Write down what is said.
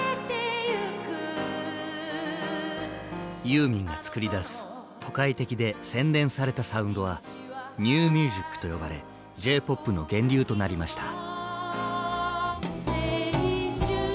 ユーミンが作り出す都会的で洗練されたサウンドは「ニューミュージック」と呼ばれ「Ｊ−ＰＯＰ」の源流となりました。